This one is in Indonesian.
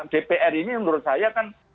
dpr ini menurut saya kan